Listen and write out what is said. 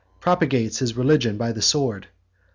—Propagates His Religion By The Sword.